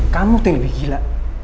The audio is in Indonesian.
kamu tuh lebih gila